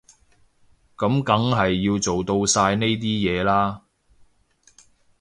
噉梗係要做到晒呢啲嘢啦